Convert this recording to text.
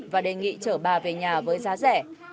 và đề nghị chở bà về nhà với giá rẻ